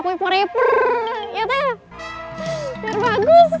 saya akan buatin gantinya ya